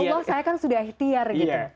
ya allah saya kan sudah ikhtiar